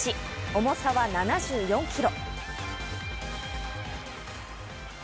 重さは７４ｋｇ。